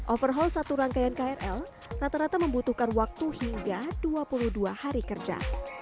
overhaul satu rangkaian krl rata rata membutuhkan waktu hingga dua puluh dua hari kerja